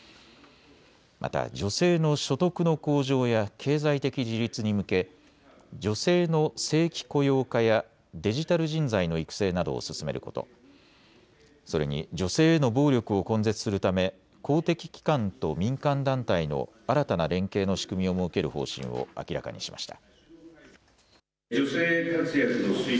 また女性の所得の向上や経済的自立に向け女性の正規雇用化やデジタル人材の育成などを進めること、それに女性への暴力を根絶するため、公的機関と民間団体の新たな連携の仕組みを設ける方針を明らかにしました。